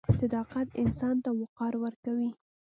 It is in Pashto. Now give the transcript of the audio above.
• صداقت انسان ته وقار ورکوي.